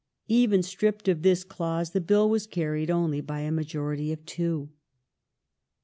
Even stripped of this clause the Bill was carried only by a majority of two.